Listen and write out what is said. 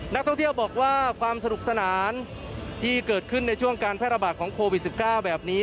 นักท่องเที่ยวบอกว่าความสนุกสนานที่เกิดขึ้นในช่วงการแพร่ระบาดของโควิด๑๙แบบนี้